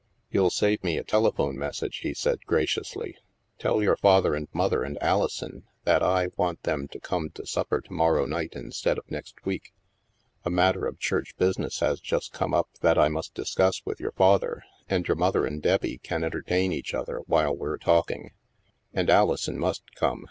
" You'll save me a telephone message," he said graciously. " Tell your father and mother and Ali son that I want them to come to supper to morrow night instead of next week. A matter of Church business has just come up that I must discuss with your father, and your mother and Debbie can enter tain each other while we're talking. And Alison must come.